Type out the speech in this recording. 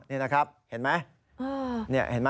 นี่นะครับเห็นไหม